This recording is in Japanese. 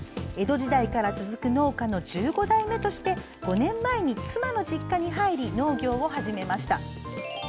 江戸時代から続く農家の１５代目として５年前に妻の実家に入り農業を始めました。